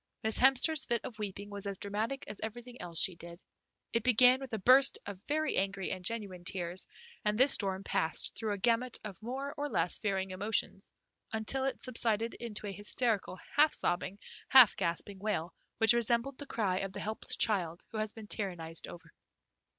Miss Hemster's fit of weeping was as dramatic as everything else she did. It began with a burst of very angry and genuine tears, and this storm passed through a gamut of more or less varying emotions until it subsided into a hysterical half sobbing, half gasping wail which resembled the cry of the helpless child who had been tyrannized over.